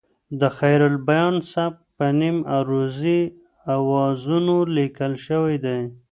د خیرالبیان سبک په نیم عروضي اوزانو لیکل شوی دی.